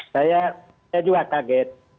saya juga kaget